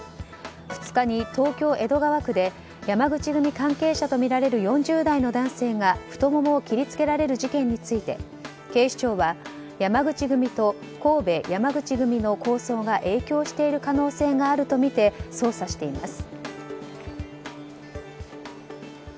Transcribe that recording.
２日に東京・江戸川区で山口組関係者とみられる４０代の男性が太ももを切りつけられる事件について警視庁は山口組と神戸山口組の抗争が影響している可能性があるとみて捜査しています。